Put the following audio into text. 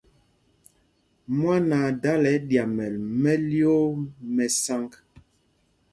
Mwán aa dala nɛ ɛɗyamɛl mɛ́lyōō mɛ́ sǎŋg.